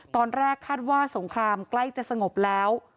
ตอนแรกคาดว่าสงครามใกล้จะสงบแล้ว